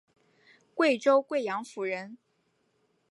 贵州贵阳府人。